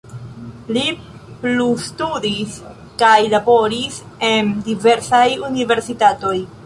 Li plustudis kaj laboris en diversaj universitatoj.